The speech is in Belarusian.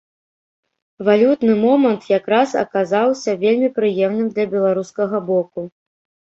Валютны момант якраз аказаўся вельмі прыемным для беларускага боку.